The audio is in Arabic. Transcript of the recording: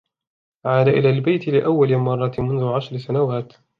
عاد إلى البيت لأول مرة منذ عشر سنوات.